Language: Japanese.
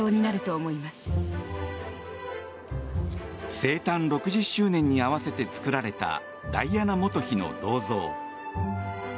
生誕６０周年に合わせて作られたダイアナ元妃の銅像。